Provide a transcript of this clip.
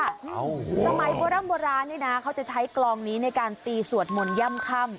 สมัยโบร่ำโบราณนี่นะเขาจะใช้กลองนี้ในการตีสวดมนต์ย่ำค่ำ